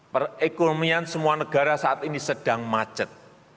perekonomian semua negara saat ini sedang macet